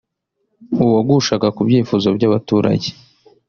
uwagushaga ku byifuzo by’abaturage